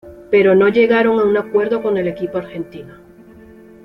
Pero no llegaron a un acuerdo con el equipo argentino.